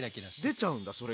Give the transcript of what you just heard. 出ちゃうんだそれが。